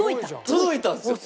届いたんですよ！